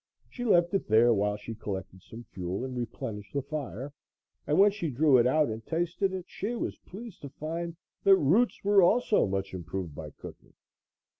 She left it there while she collected some fuel and replenished the fire, and when she drew it out and tasted it she was pleased to find that roots also were much improved by cooking.